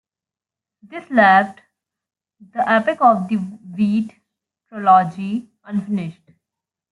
This left "The Epic of the Wheat" trilogy unfinished.